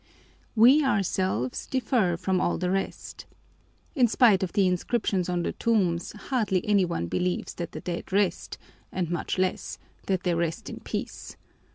We ourselves differ from all the rest. In spite of the inscriptions on the tombs, hardly any one believes that the dead rest, and much less, that they rest in peace.